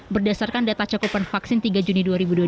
berdasarkan data cakupan vaksin tiga juni dua ribu dua puluh